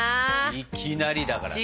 いきなりだからね。